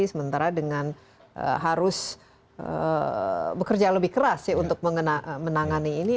sementara dengan harus bekerja lebih keras ya untuk menangani ini